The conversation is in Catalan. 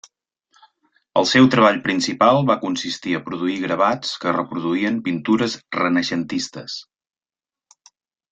El seu treball principal va consistir a produir gravats que reproduïen pintures renaixentistes.